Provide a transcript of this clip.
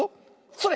それ！